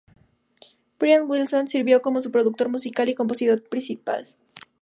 Brian Wilson sirvió como su productor musical y compositor principal.